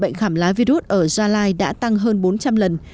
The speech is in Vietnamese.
bệnh khảm lá virus ở gia lai đã tăng hơn bốn trăm linh lần